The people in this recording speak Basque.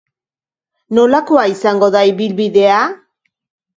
Nolakoa izango da ibilbidea?